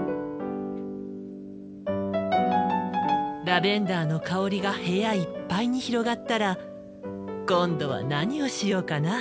ラベンダーの香りが部屋いっぱいに広がったら今度は何をしようかな。